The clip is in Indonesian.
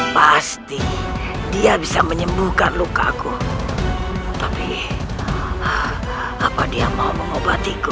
pasti dia bisa menyembuhkan luka aku tapi apa dia mau mengobati ku